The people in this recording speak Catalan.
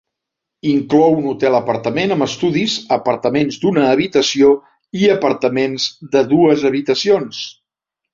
Inclou un hotel apartament amb estudis, apartaments d"una habitació i apartaments de dues habitacions.